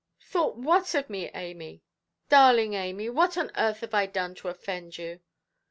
"Thought what of me, Amy? Darling Amy, what on earth have I done to offend you"?